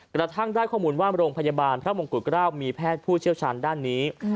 กระทั่งได้ข้อมูลว่าโรงพยาบาลพระมงกุฎเกล้ามีแพทย์ผู้เชี่ยวชาญด้านนี้